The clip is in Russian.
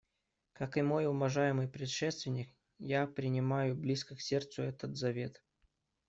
Как и мой уважаемый предшественник, я принимаю близко к сердцу этот завет.